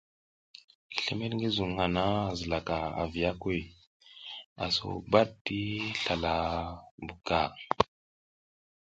Slimid ngi zuŋ hana a zilaka awiyakuy, a so bad ti slala mbuka.